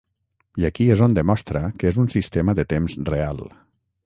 I aquí és on demostra que és un Sistema de Temps Real.